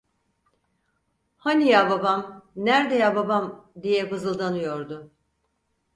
"Hani ya babam? Nerde ya babam?" diye vızıldanıyordu.